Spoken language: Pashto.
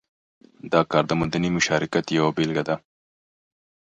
دا کار د مدني مشارکت یوه بېلګه ده.